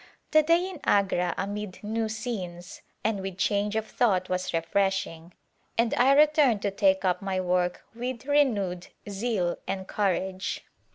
The day in Agra amid new scenes and with change of thought was refreshing and I returned to take up my work with renewed zeal and courage.